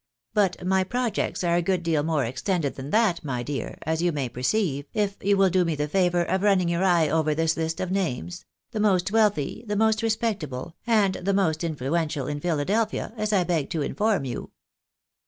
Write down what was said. But my projects are a good deal more extended than that, my dear, as you may perceive, if you will do me the favour of running your eye over this list of names — the most wealthy, the most respectable, and the most influential in Philadelphia, as I beg to inform you."